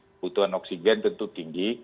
kebutuhan oksigen tentu tinggi